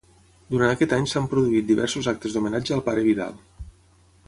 Durant aquest any s'han produït diversos actes d'homenatge al Pare Vidal.